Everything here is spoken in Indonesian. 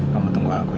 kamu tunggu aku ya